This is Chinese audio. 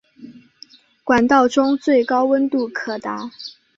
管道中最高温度可达。